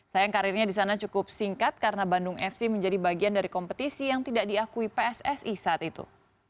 sayang karirnya di sana cukup singkat karena bandung fc menjadi bagian dari kompetisi yang tidak diakui pssi saat itu